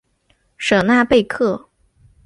舍纳贝克。